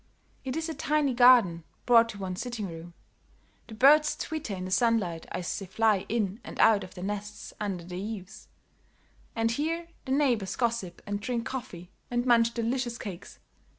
It is a tiny garden brought to one's sitting room; the birds twitter in the sunlight, as they fly in and out of their nests under the eaves; and here the neighbors gossip and drink coffee and munch delicious cakes.